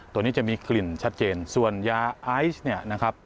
ตัวนี้จะมีกลิ่นชัดเจนส่วนยาไอซ์เนี่ยนะครับ